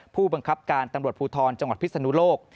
ผู้บังคับการตำรวจภูทรจังหวัดพิศนุโลก